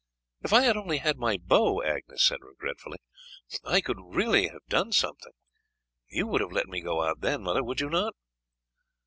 "If I had only had my bow," Agnes said regretfully, "I could really have done something. You would have let me go out then, mother, would you not?"